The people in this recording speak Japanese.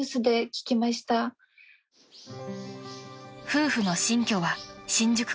［夫婦の新居は］